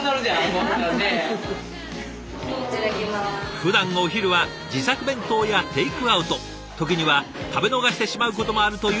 ふだんお昼は自作弁当やテイクアウト時には食べ逃してしまうこともあるという皆さん。